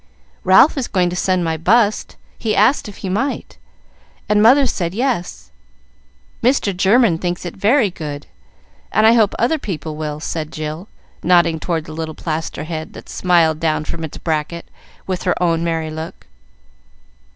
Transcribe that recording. "Ralph is going to send my bust. He asked if he might, and mother said Yes. Mr. German thinks it very good, and I hope other people will," said Jill, nodding toward the little plaster head that smiled down from its bracket with her own merry look.